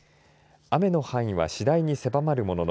雨の範囲は次第に狭まるものの